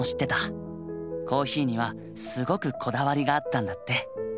コーヒーにはすごくこだわりがあったんだって。